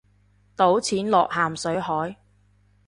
倒錢落咸水海